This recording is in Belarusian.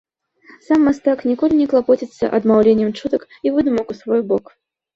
Сам мастак ніколі не клапоціцца адмаўленнем чутак і выдумак у свой бок.